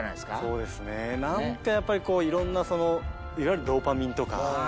そうですねなんかやっぱりこう色んなそのいわゆるドーパミンとか。